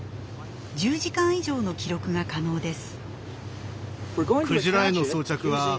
１０時間以上の記録が可能です。